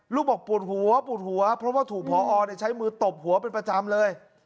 ลูกบอกปวดหัวปวดหัวเพราะว่าถูกพอใช้มือตบหัวเป็นประจำเลย